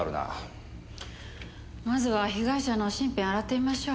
まずは被害者の身辺洗ってみましょう。